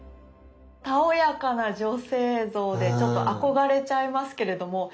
たおやかな女性像でちょっと憧れちゃいますけれども。